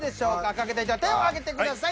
書けた人は手を挙げてください。